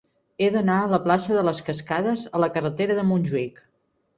He d'anar de la plaça de les Cascades a la carretera de Montjuïc.